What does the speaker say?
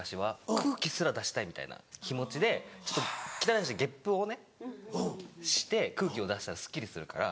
空気すら出したいみたいな気持ちで汚いんですけどゲップをねして空気を出したらスッキリするから。